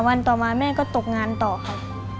วันต่อมาแม่ก็ตกงานต่อค่ะ